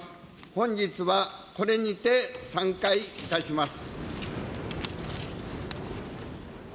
本日はこれにて散会いたします。